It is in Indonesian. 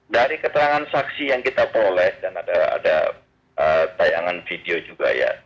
dari keterangan saksi yang kita peroleh dan ada tayangan video juga ya